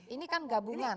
ini kan gabungan